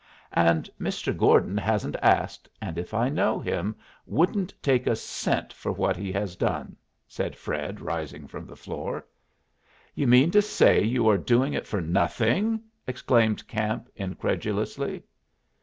"And Mr. Gordon hasn't asked, and, if I know him, wouldn't take a cent for what he has done," said Fred, rising from the floor. "You mean to say you are doing it for nothing?" exclaimed Camp, incredulously.